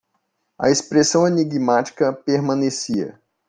A expressão enigmática permanecia.